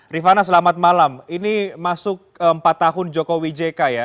rifana selamat malam ini masuk empat tahun jokowi jk ya